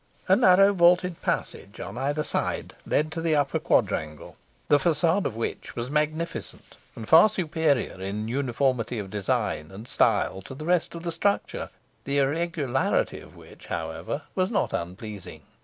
A narrow vaulted passage on either side led to the upper quadrangle, the facade of which was magnificent, and far superior in uniformity of design and style to the rest of the structure, the irregularity of which, however, was not unpleasing.